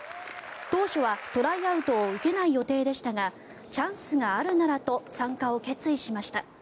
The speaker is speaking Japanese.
当初はトライアウトを受けない予定でしたがチャンスがあるならと参加を決意しました。